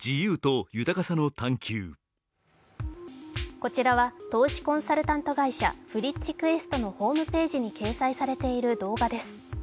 こちらは投資コンサルタント会社、ＦＲｉｃｈＱｕｅｓｔのホームページに掲載されている動画です。